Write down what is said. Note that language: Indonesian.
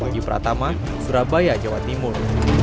wahyu pratama surabaya jawa timur